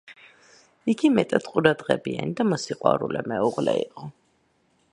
იგი მეტად ყურადღებიანი და მოსიყვარულე მეუღლე იყო.